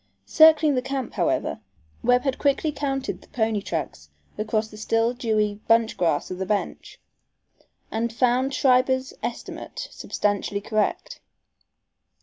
Circling the camp, however, Webb had quickly counted the pony tracks across the still dewy bunchgrass of the bench, and found Schreiber's estimate substantially correct.